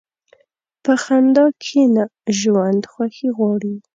په خندا کښېنه، ژوند خوښي غواړي.